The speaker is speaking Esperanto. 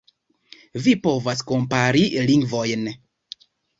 Vi povas kompari lingvojn.